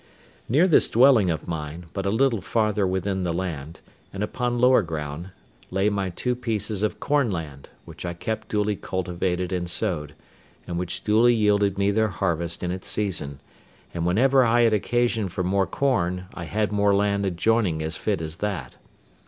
Near this dwelling of mine, but a little farther within the land, and upon lower ground, lay my two pieces of corn land, which I kept duly cultivated and sowed, and which duly yielded me their harvest in its season; and whenever I had occasion for more corn, I had more land adjoining as fit as that.